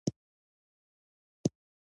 دوامداره حرکت انرژي ته اړتیا لري.